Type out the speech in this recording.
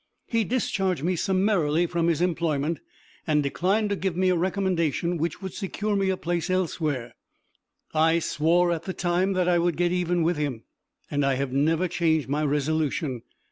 He discharged me summarily from his employment and declined to give me a recommendation which would secure me a place elsewhere. I swore at the time that I would get even with him, and I have never changed my resolution.